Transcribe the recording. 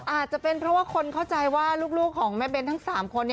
อาจจะเป็นเพราะว่าคนเข้าใจว่าลูกของแม่เบ้นทั้ง๓คน